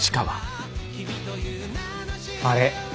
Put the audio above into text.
あれ？